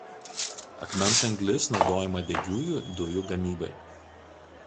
Akmens anglis naudojama degiųjų dujų gamybai.